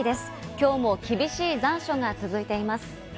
きょうも厳しい残暑が続いています。